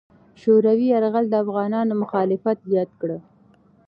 شوروي یرغل د افغانانو مخالفت زیات کړ.